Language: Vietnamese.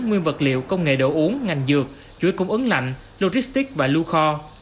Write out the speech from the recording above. nguyên vật liệu công nghệ đồ uống ngành dược chuỗi cung ứng lạnh logistic và lưu kho